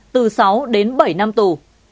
từ một mươi sáu đến bảy năm tù